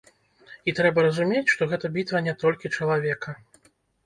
І трэба разумець, што гэта бітва не толькі чалавека.